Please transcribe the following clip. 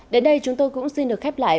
đến đây chúng tôi cũng xin được khép lại